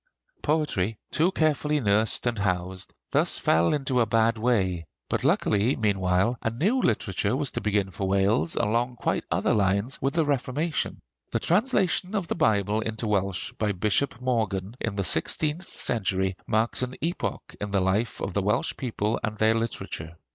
Poetry, too carefully nursed and housed, thus fell into a bad way; but luckily meanwhile a new literature was to begin for Wales, along quite other lines, with the Reformation. The translation of the Bible into Welsh by Bishop Morgan in the sixteenth century marks an epoch in the life of the Welsh people and their literature.